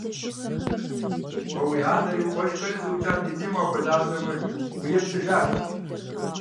Уэ уи анэри уи къуэшхэри зыукӀа ди бийм ухуэлажьэмэ, уепцӀыжакӀуэщ!